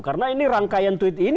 karena ini rangkaian tweet ini